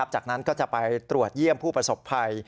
จากนั้นก็จะไปตรวจเยี่ยมผู้ประสบภัย